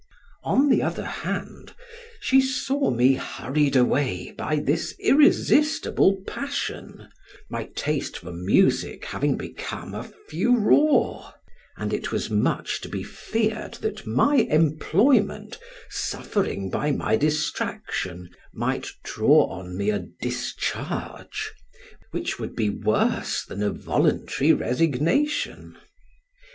] On the other hand, she saw me hurried away by this irresistible passion, my taste for music having become a furor, and it was much to be feared that my employment, suffering by my distraction, might draw on me a discharge, which would be worse than a voluntary resignation.